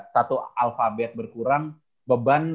satu alfabet berkurang beban